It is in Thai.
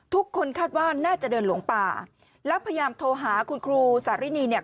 ทุกคนคาดว่าน่าจะเดินหลงป่าแล้วพยายามโทรหาคุณครูสารินีเนี่ย